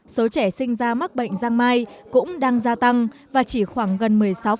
số trẻ sinh ra mắc bệnh giang mai cũng đang gia tăng và chỉ khoảng gần một mươi sáu